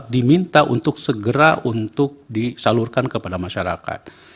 diminta untuk segera untuk disalurkan kepada masyarakat